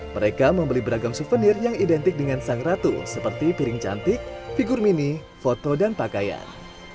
mereka membeli beragam souvenir yang identik dengan sang ratu seperti piring cantik figur mini foto dan pakaian